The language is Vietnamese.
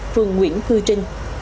phường nguyễn khư trinh